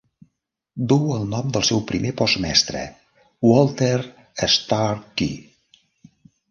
Duu el nom del seu primer postmestre, Walter Starkey.